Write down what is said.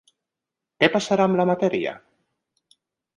Què passarà amb la matèria?